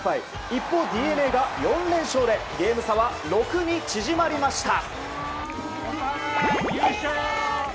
一方、ＤｅＮＡが４連勝でゲーム差は６に縮まりました。